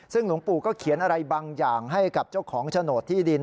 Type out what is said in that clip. ซึ่งหลวงปู่ก็เขียนอะไรบางอย่างให้กับเจ้าของโฉนดที่ดิน